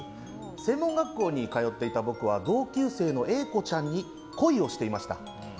専門学校に通っていた僕は同級生のＡ子ちゃんに恋をしていました。